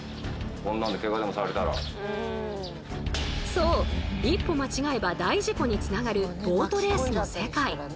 そう一歩間違えば大事故につながるボートレースの世界。